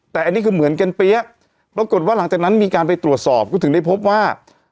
แต่อันนี้คือเหมือนกันเปี้ยปรากฏว่าหลังจากนั้นมีการไปตรวจสอบก็ถึงได้พบว่า